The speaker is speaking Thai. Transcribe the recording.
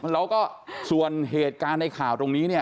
เราก็ส่วนเหตุการณ์ในข่าวตรงนี้